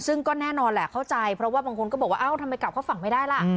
ซึ่งก็แน่นอนแหละเข้าใจเพราะว่าบางคนก็บอกว่าเอ้าทำไมกลับเข้าฝั่งไม่ได้ล่ะ